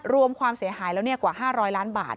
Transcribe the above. รวมความเสียหายแล้วกว่า๕๐๐ล้านบาท